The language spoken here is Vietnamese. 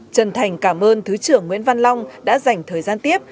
trần thành cảm ơn thứ trưởng nguyễn văn long đã dành thời gian tiếp